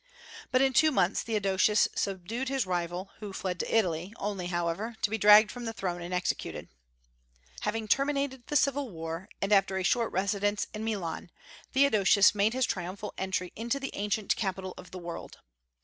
But in two months Theodosius subdued his rival, who fled to Italy, only, however, to be dragged from the throne and executed. Having terminated the civil war, and after a short residence in Milan, Theodosius made his triumphal entry into the ancient capital of the world.